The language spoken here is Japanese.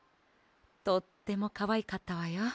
とってもかわいかったわよ。